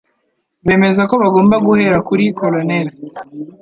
bemeza ko bagomba guhera kuri Colonel